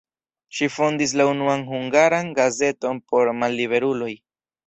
Ŝi fondis la unuan hungaran gazeton por malliberuloj.